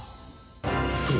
［そう。